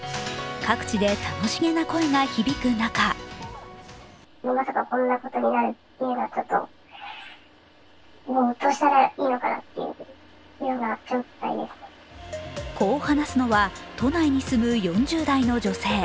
各地で楽しげな声が響く中こう話すのは都内に住む４０代の女性。